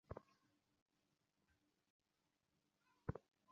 কেউ থাকলে তিনি বেআইনি অভিবাসী।